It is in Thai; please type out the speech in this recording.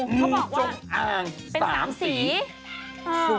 เขาบอกว่าเป็น๓สีงูจกอ่าง